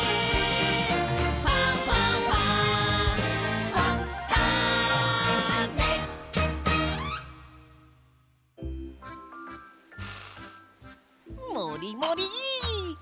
「ファンファンファン」もりもり！